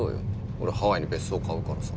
俺ハワイに別荘買うからさ。